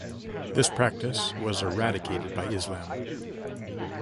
This practice was eradicated by Islam.